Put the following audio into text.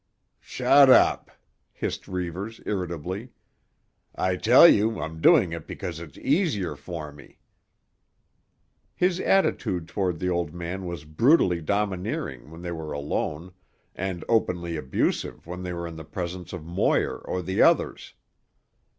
"Shut up!" hissed Reivers irritably. "I tell you I'm doing it because it's easier for me." His attitude toward the old man was brutally domineering when they were alone and openly abusive when they were in the presence of Moir or the others.